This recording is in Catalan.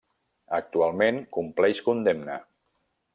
Actualment compleix condemna.